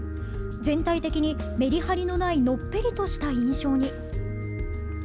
全体的にメリハリのないのっぺりとした印象に。